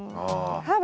ああ。